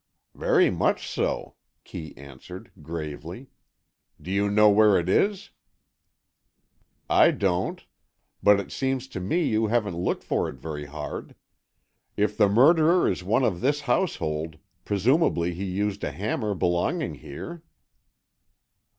"Very much so," Kee answered, gravely. "Do you know where it is?" "I don't, but it seems to me you haven't looked for it very hard. If the murderer is one of this household, presumably he used a hammer belonging here."